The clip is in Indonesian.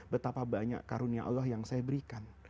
betapa banyak karunia allah yang saya berikan